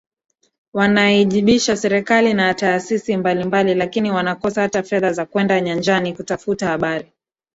wanaijibisha serikali na taasisi mbalimbali lakini wanakosa hata fedha za kwenda nyanjani kutafuta habari